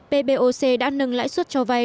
pboc đã nâng lãi suất cho vai